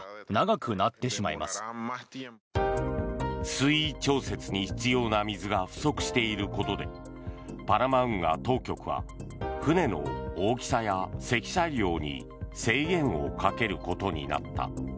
水位調節に必要な水が不足していることでパナマ運河当局は船の大きさや積載量に制限をかけることになった。